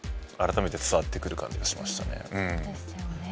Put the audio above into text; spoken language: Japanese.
改めて伝わってくる感じがしましたね。